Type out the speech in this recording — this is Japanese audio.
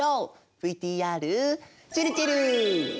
ＶＴＲちぇるちぇる！